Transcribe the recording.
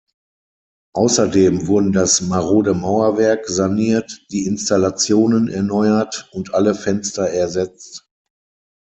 Außerdem wurden das marode Mauerwerk saniert, die Installationen erneuert und alle Fenster ersetzt.